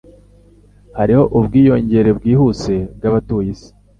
Hariho ubwiyongere bwihuse bwabatuye isi.